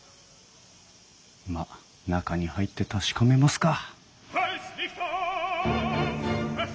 まっ中に入って確かめますか。